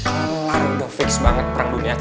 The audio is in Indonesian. udah fix banget perang dunia ketiga